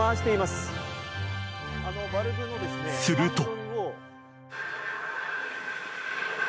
すると。